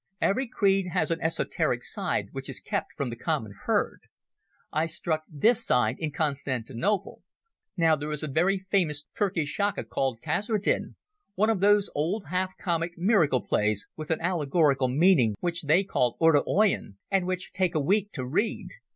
Every creed has an esoteric side which is kept from the common herd. I struck this side in Constantinople. Now there is a very famous Turkish shaka called Kasredin, one of those old half comic miracle plays with an allegorical meaning which they call orta oyun, and which take a week to read.